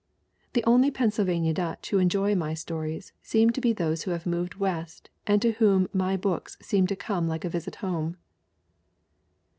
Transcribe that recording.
"The only Pennsylvania Dutch who enjoy my stories seem to be those who have moved West and to whom my books seem to come like a visit home."